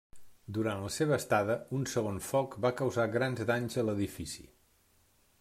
Durant la seva estada un segon foc va causar grans danys a l'edifici.